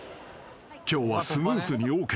［今日はスムーズにＯＫ］